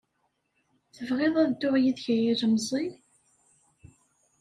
Tebɣiḍ ad dduɣ yid-k a ilemẓi?